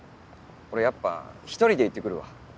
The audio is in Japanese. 俺やっぱ一人で行ってくるわ。